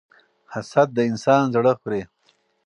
حسد د انسان زړه خوري.